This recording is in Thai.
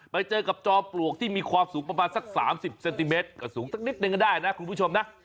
ไปเจอกับจอมปลวกที่มีความสูงประมาณสัก๓๐เซนติเมตรก็สูงสักนิดนึงก็ได้นะคุณผู้ชมนะ